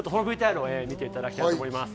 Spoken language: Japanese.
そのＶＴＲをご覧いただきたいと思います。